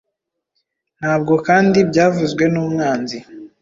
Ntabwo kandi byavuzwe nUmwanzi,